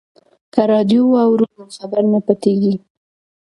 که راډیو واورو نو خبر نه پټیږي.